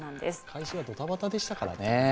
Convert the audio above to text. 開始がドタバタでしたからね。